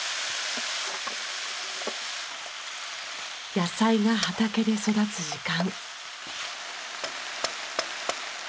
野菜が畑で育つ時間。